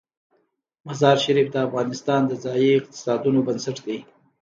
مزارشریف د افغانستان د ځایي اقتصادونو بنسټ دی.